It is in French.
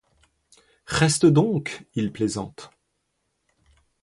Reste donc, il plaisante.